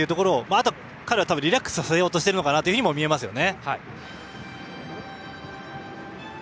あと、彼はリラックスさせようとしているように見えますね。